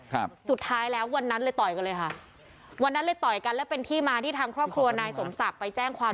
สุดท้ายแล้ววันนั้นเลยต่อยกันเลยค่ะวันนั้นเลยต่อยกันแล้วเป็นที่มาที่ทางครอบครัวนายสมศักดิ์ไปแจ้งความ